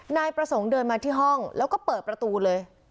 นายประสงค์เดินมาที่ห้องแล้วก็เปิดประตูเลย